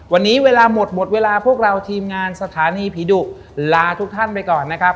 วันนี้เวลาหมดหมดเวลาพวกเราทีมงานสถานีผีดุลาทุกท่านไปก่อนนะครับ